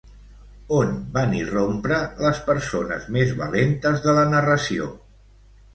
On van irrompre les persones més valentes de la narració?